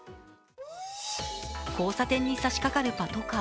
交差点に差しかかるパトカー。